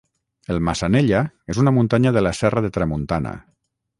El Massanella és una muntanya de la Serra de Tramuntana.